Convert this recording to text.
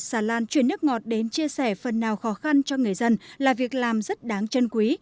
xà lan chuyển nước ngọt đến chia sẻ phần nào khó khăn cho người dân là việc làm rất đáng chân quý